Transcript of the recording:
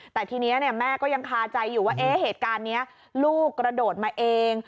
แต่ทีนี้แม่ก็ยังคาใจอยู่ว่าเหตุการณ์นี้ลูกกระโดดมาเอง